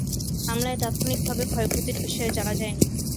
হামলায় তাৎক্ষণিকভাবে ক্ষয়ক্ষতির বিষয়ে জানা যায়নি।